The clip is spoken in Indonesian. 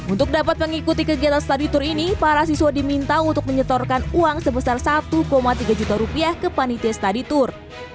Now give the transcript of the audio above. untuk dapat mengikuti kegiatan study tour ini para siswa diminta untuk menyetorkan uang sebesar satu tiga juta rupiah ke panitia study tour